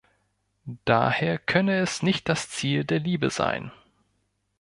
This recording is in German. Daher könne es nicht das Ziel der Liebe sein.